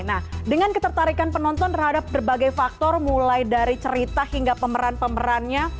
nah dengan ketertarikan penonton terhadap berbagai faktor mulai dari cerita hingga pemeran pemerannya